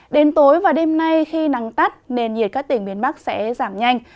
đến tối và đêm nay khi nắng tắt nền nhiệt các tỉnh miền bắc sẽ giảm nhanh